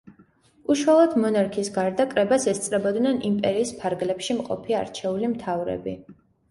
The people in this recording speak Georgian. უშუალოდ მონარქის გარდა, კრებას ესწრებოდნენ იმპერიის ფარგლებში მყოფი არჩეული მთავრები.